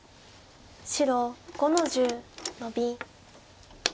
白５の十ノビ。